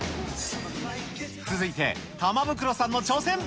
続いて玉袋さんの挑戦。